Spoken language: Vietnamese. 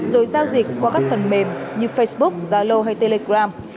rồi giao dịch qua các phần mềm như facebook zalo hay telegram